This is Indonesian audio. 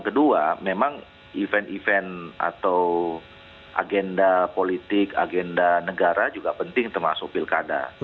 kedua memang event event atau agenda politik agenda negara juga penting termasuk pilkada